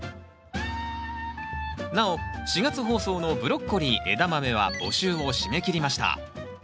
なお４月放送のブロッコリーエダマメは募集を締め切りました。